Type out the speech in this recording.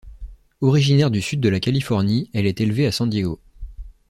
Originaire du sud de la Californie, elle est élevée à San Diego.